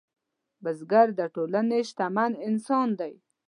بزګر د ټولنې شتمن انسان دی